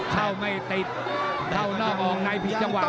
เท่าไม่ติดเท่านอกออกไหนพิศวาคไปอุ้น